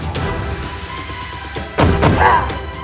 kisah kisah yang terjadi di dalam hidupku